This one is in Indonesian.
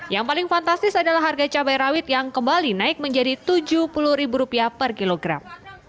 yang paling fantastis adalah harga cabai rawit yang kembali naik menjadi rp tujuh puluh per kilogram